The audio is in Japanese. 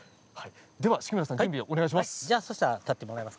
敷村さん、準備をお願いします。